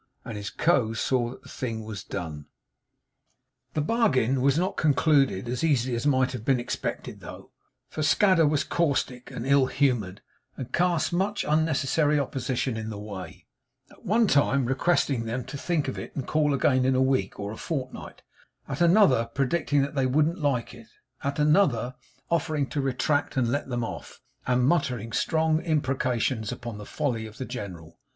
and his Co. saw that the thing was done. The bargain was not concluded as easily as might have been expected though, for Scadder was caustic and ill humoured, and cast much unnecessary opposition in the way; at one time requesting them to think of it, and call again in a week or a fortnight; at another, predicting that they wouldn't like it; at another, offering to retract and let them off, and muttering strong imprecations upon the folly of the General.